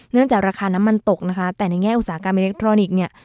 จากราคาน้ำมันตกนะคะแต่ในแง่อุตสาหกรรมอิเล็กทรอนิกส์เนี่ย